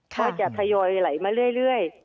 ก็จะทยอยไหลมาเรื่อย